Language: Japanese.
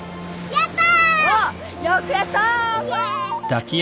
やった！